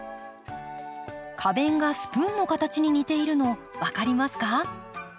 花弁がスプーンの形に似ているの分かりますか？